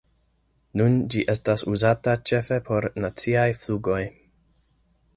Nun ĝi estas uzata ĉefe por naciaj flugoj.